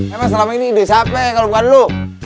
emang selama ini ide siapa kalau bukan lo